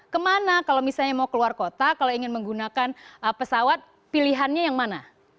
kemana kalau misalnya mau keluar kota kalau ingin menggunakan pesawat pilihannya yang mana